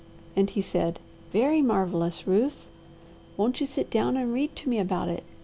And he said, 'Very marvellous, Ruth. Won't you sit down and read to me about it?'